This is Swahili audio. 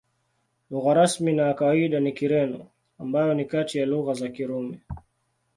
Lugha rasmi na ya kawaida ni Kireno, ambayo ni kati ya lugha za Kirumi.